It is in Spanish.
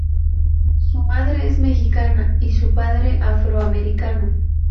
Su madre es Mexicana y su padre afroamericano.